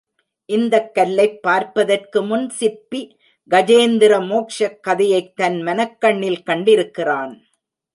இந்தக் கல்லைப் பார்ப்பதற்கு முன் சிற்பி கஜேந்திர மோக்ஷக் கதையைக் தன் மனக்கண்ணில் கண்டிருக்கிறான்.